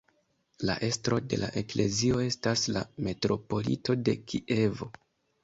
La estro de la eklezio estas la metropolito de Kievo.